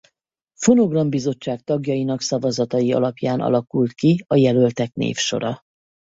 Fonogram Bizottság tagjainak szavazatai alapján alakult ki a jelöltek névsora.